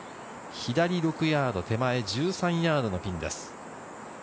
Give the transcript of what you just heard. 左６ヤード、手前１３ヤードのピンです。